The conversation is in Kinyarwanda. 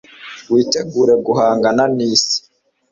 witegure guhangana n'isi